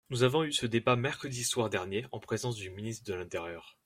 Nous avons eu ce débat mercredi soir dernier en présence du ministre de l’intérieur.